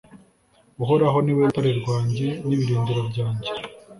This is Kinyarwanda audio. uhoraho ni we rutare rwanjye, n'ibirindiro byanjye